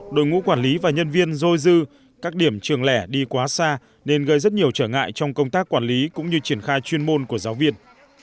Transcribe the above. đội ngũ quản lý và nhân viên dôi dư các điểm trường lẻ đi quá xa nên gây rất nhiều trở ngại trong công tác quản lý cũng như triển khai chuyên môn của giáo viên